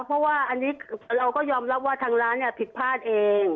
เพราะว่าอันนี้เราก็ยอมรับว่าทางร้านผิดพลาดเอง